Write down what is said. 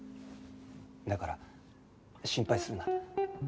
だから心配するな。